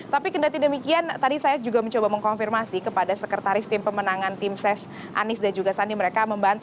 tapi kendati demikian tadi saya juga mencoba mengkonfirmasi kepada sekretaris tim pemenangan tim ses anies dan juga sandi mereka